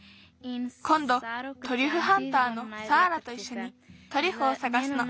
こんどトリュフハンターのサーラといっしょにトリュフをさがすの。